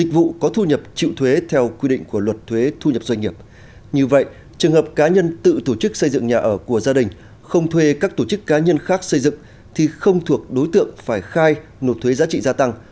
về các tổ chức cá nhân khác xây dựng thì không thuộc đối tượng phải khai nộp thuế giá trị gia tăng